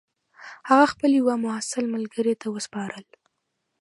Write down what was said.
هغه خپل یوه محصل ملګري ته وسپارل.